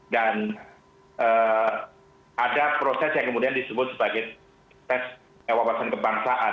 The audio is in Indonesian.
dan ada proses yang kemudian disebut sebagai tes kewawasan kebangsaan